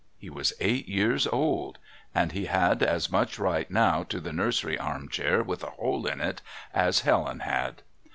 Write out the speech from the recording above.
He was eight years old, and he had as much right now to the nursery arm chair with a hole in it as Helen had.